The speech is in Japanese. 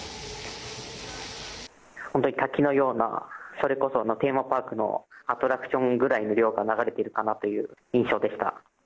本当に滝のような、それこそテーマパークのアトラクションぐらいの量が流れているかなという印象でした。